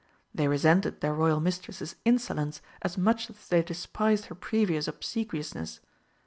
They resented their Royal Mistress's insolence as much as they despised her previous obsequiousness.